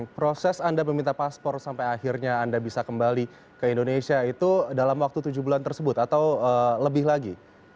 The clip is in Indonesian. proses anda meminta paspor sampai akhirnya anda bisa kembali ke indonesia itu dalam waktu tujuh bulan tersebut atau lebih lagi